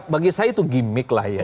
bagi saya itu gimmick lah ya